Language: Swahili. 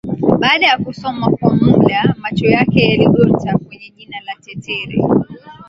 Baada ya kusoma kwa muda macho yake yaligota kwenye jina la Tetere